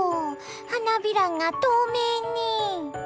花びらが透明に。